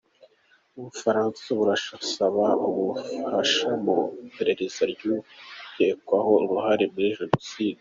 U Bufaransa burasaba ubufasha mu iperereza ry’ukekwaho uruhare muri Jenoside